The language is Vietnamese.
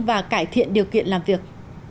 và cải thiện điều kiện làm việc